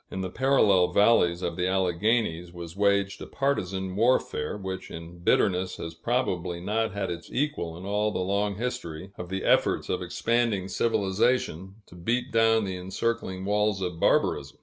In the parallel valleys of the Alleghanies was waged a partisan warfare, which in bitterness has probably not had its equal in all the long history of the efforts of expanding civilization to beat down the encircling walls of barbarism.